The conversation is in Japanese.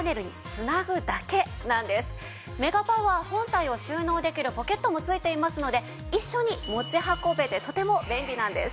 メガパワー本体を収納できるポケットも付いていますので一緒に持ち運べてとても便利なんです。